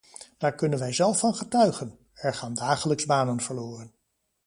Daar kunnen wij zelf van getuigen: er gaan dagelijks banen verloren.